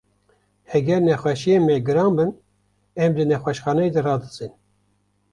Heger nexweşiyên me giran bin, em di nexweşxaneyê de radizên.